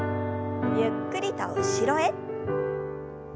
ゆっくりと後ろへ。